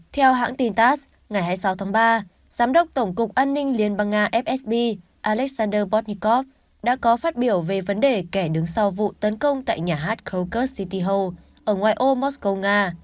theo hãng tin tass ngày hai mươi sáu tháng ba giám đốc tổng cục an ninh liên bang nga fsb alexander bornikov đã có phát biểu về vấn đề kẻ đứng sau vụ tấn công tại nhà hát krokus city hall ở ngoài ô mosco nga